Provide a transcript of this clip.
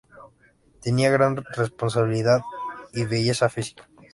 Tenía gran personalidad y belleza física.